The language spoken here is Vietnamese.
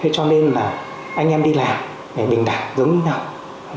cho nên là anh em đi làm bình đẳng giống như nhau